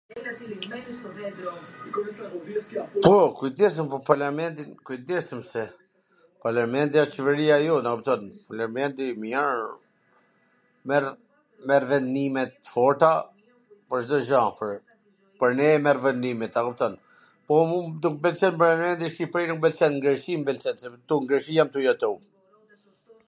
Po, kujdesem pwr Parlamentin, kujdesem se Parlamenti asht qeveria jon, a kupton, Parlamenti i mir merr venime t forta pwr Cdo gja, pwr ne i merr vendimet, a kupton, po mu nuk mw pwlqen Parlamemti n Shqipri nuk mw pwlqen, n Greqi m pwlqen se ktu n Greqi jam tu jetu.